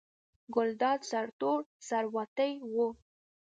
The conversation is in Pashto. ګلداد سرتور سر وتی و.